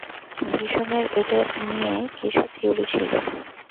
Vision এর এটা নিয়ে কিছু থিওরি ছিল।